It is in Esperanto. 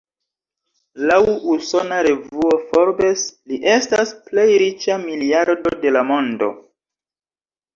Laŭ usona revuo "Forbes", li estas plej riĉa miliardo de la mondo.